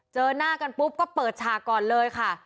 เจอหน้ากันปุ๊บก็เปิดฉากก่อนเลยค่ะ